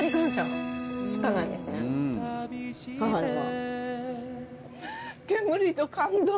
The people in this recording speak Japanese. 母には。